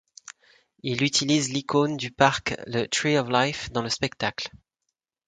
Il utilise l'icône du parc le Tree of Life dans le spectacle.